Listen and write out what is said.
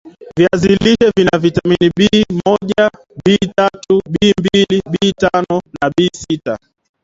viazi lishe vina vitamini B moja B tatu Bmbili B tano B sita